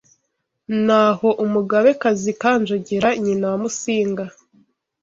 ni aho Umugabekazi Kanjogera nyina wa Musinga